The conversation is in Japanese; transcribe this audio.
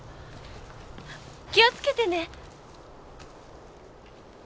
気をつけてね。